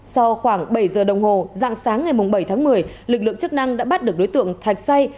sau khoảng bảy giờ đồng hồ dạng sáng ngày bảy tháng một mươi lực lượng chức năng đã bắt được đối tượng thạch say